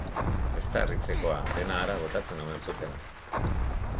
Ez da harritzekoa, dena hara botatzen omen zuten....